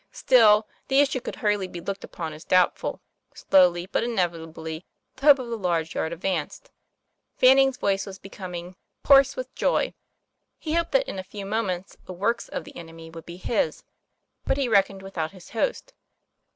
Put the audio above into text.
Still, the issue could hardly be looked upon as doubtful. Slowly but inevitably the hope of the large yard advanced. Fanning's voice was becom ing "hoarse with joy." He hoped that in a few moments the works of the enemy would be his. But he reckoned without his host.